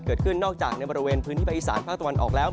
นอกจากในบริเวณพื้นที่ภาคอีสานภาคตะวันออกแล้ว